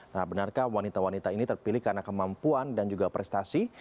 nah benarkah wanita wanita ini terpilih karena kemampuan dan juga prestasi